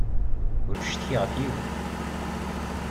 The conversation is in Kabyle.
Ur ttcetkiɣ ɣef yiwen.